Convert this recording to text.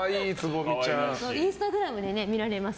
インスタグラムで見られます。